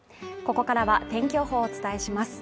ここからは天気予報をお伝えします